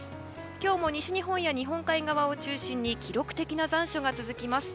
今日も西日本や日本海側を中心に記録的な残暑が続きます。